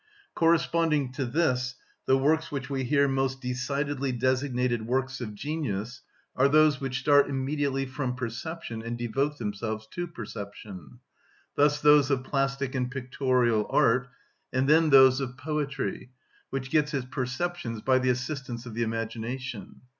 Corresponding to this, the works which we hear most decidedly designated works of genius are those which start immediately from perception and devote themselves to perception; thus those of plastic and pictorial art, and then those of poetry, which gets its perceptions by the assistance of the imagination.